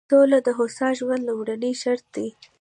سوله د هوسا ژوند لومړنی شرط دی.